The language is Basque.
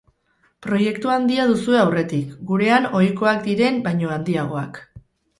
Proiektu handia duzue aurretik, gurean ohikoak diren baino handiagoak.